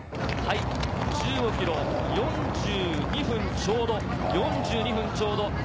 １５ｋｍ４２分ちょうど４２分ちょうど。